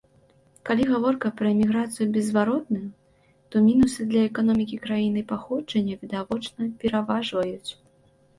Калі гаворка пра эміграцыю беззваротную, то мінусы для эканомікі краіны паходжання відавочна пераважваюць.